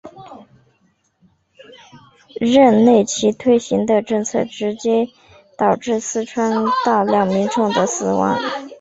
任内其推行的政策直接导致四川大量民众的死亡。